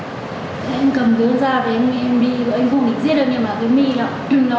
em đi anh cũng định giết em nhưng mà cái my nó